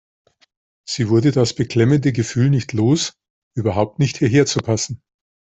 Sie wurde das beklemmende Gefühl nicht los, überhaupt nicht hierher zu passen.